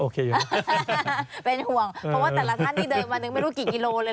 เป็นห่วงเพราะว่าแต่ละท่านที่เดินวันหนึ่งไม่รู้กี่กิโลเลย